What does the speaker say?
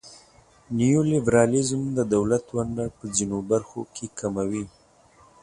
نیولیبرالیزم د دولت ونډه په ځینو برخو کې کموي.